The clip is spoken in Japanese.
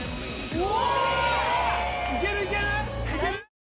うわ！